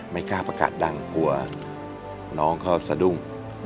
ไม่กล้าประกาศดังกลัวน้องเขาสะดุ้ง